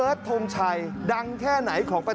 และก็มีการกินยาละลายริ่มเลือดแล้วก็ยาละลายขายมันมาเลยตลอดครับ